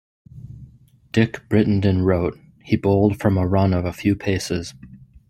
Dick Brittenden wrote: he bowled from a run of a few paces.